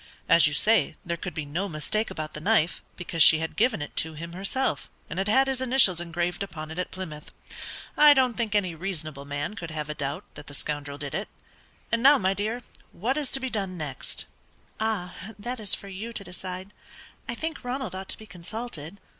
"As you say, there could be no mistake about the knife, because she had given it to him herself, and had had his initials engraved upon it at Plymouth. I don't think any reasonable man could have a doubt that the scoundrel did it; and now, my dear, what is to be done next?" "Ah, that is for you to decide. I think Ronald ought to be consulted."